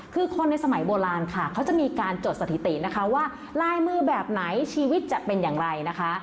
คือคนในสมัยโบราณค่ะเขาจะมีการจดสถิตินะคะว่าลายมือแบบไหนชีวิตจะเป็นอย่างไรนะคะ